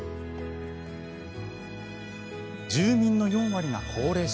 住民の４割が高齢者。